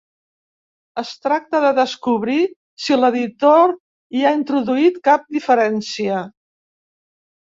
Es tracta de descobrir si l'editor hi ha introduït cap diferència.